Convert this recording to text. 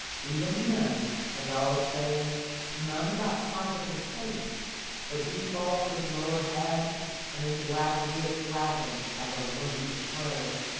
Even then, as all say, none got sight of his face; but he fought with lowered head, and his black beard flapped like a wounded crow.